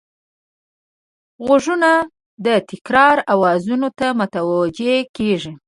غوږونه د تکرار آواز ته متوجه کېږي